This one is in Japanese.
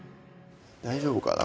大丈夫かな